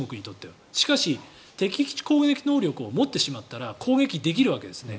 しかし、敵基地攻撃能力を持ってしまったら攻撃できるわけですね。